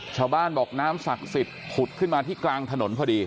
ชาวบ้านบอกน้ำศักดิ์สิทธิ์ผุดขึ้นมาที่กลางถนนพอดี